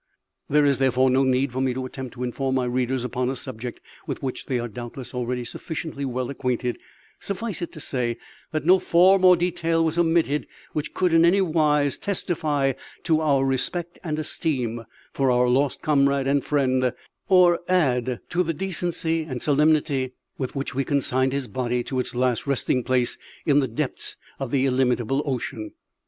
There is therefore no need for me to attempt to inform my readers upon a subject with which they are doubtless already sufficiently well acquainted; suffice it to say that no form or detail was omitted which could in any wise testify to our respect and esteem for our lost comrade and friend, or add to the decency and solemnity with which we consigned his body to its last resting place in the depths of the illimitable ocean.